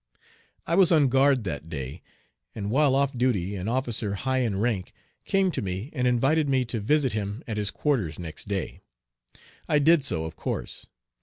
I was on guard that day, and while off duty an officer high in rank came to me and invited me to visit him at his quarters next day. I did so, of course.